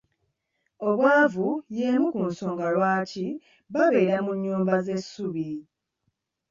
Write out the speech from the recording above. Obwavu y'emu ku nsonga lwaki babeera mu nnyumba ez'essubi.